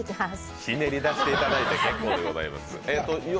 ひねり出していただいて結構です。